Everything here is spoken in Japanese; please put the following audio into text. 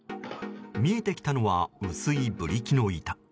見えてきたのは薄いブリキの板。